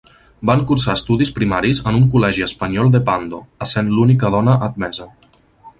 Va cursar estudis primaris en un col·legi espanyol de Pando, essent l'única dona admesa.